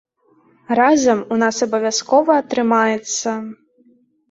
Разам у нас абавязкова атрымаецца!